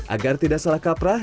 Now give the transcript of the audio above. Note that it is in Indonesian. agar tidak salah kaprah